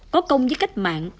có công với cách mạng